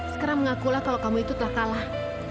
sekarang mengakulah kalau kamu itu telah kalah